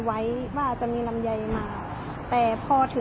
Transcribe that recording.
สวัสดีครับทุกคน